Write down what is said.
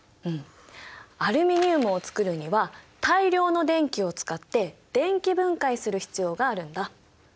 うんアルミニウムを作るには大量の電気を使って電気分解する必要があるんだ。